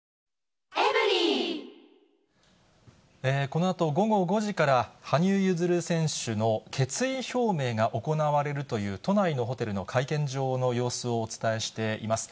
このあと午後５時から、羽生結弦選手の決意表明が行われるという、都内のホテルの会見場の様子をお伝えしています。